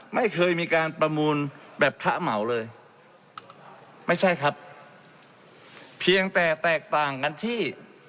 ไม่เคยมีการประมูลแบบพระเหมาเลยไม่ใช่ครับเพียงแต่แตกต่างกันที่